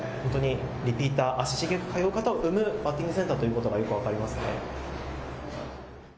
リピーターを生むバッティングセンターということがよく分かりますね。